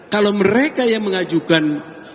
kalau mereka yang mengajukan